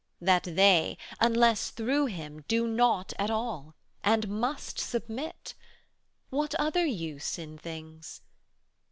That they, unless through Him, do naught at all, 115 And must submit: what other use in things?